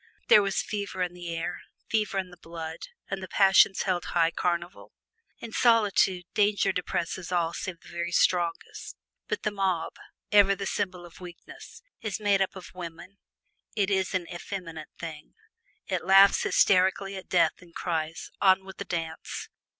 There was fever in the air, fever in the blood, and the passions held high carnival. In solitude, danger depresses all save the very strongest, but the mob (ever the symbol of weakness) is made up of women it is an effeminate thing. It laughs hysterically at death and cries, "On with the dance!"